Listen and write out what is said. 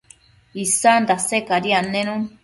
isan dase cadi annenun